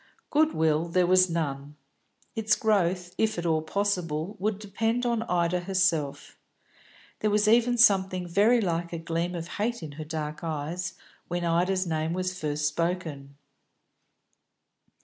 Good will there was none; its growth, if at all possible, would depend upon Ida herself. There was even something very like a gleam of hate in her dark eyes when Ida's name was first spoken.